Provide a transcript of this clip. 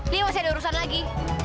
ini masih ada urusan lagi